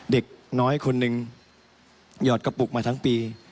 เด็กน้อยคนหนึ่งหยอดกระปุกมาทั้งปี